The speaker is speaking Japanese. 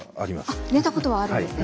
あ寝たことはあるんですね。